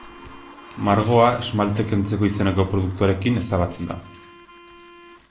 Margoa esmalte-kentzeko izeneko produktuarekin ezabatzen da.